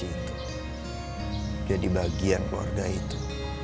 itu masukan istri pergunta